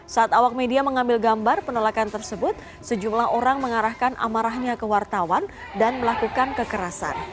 saat awak media mengambil gambar penolakan tersebut sejumlah orang mengarahkan amarahnya ke wartawan dan melakukan kekerasan